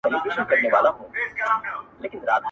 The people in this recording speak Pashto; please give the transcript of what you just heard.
د خولې نه چې الفاظ په يو ترتيب سره راځي